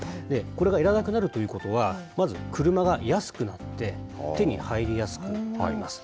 これがいらなくなるということは、まず車が安くなって、手に入りやすくなります。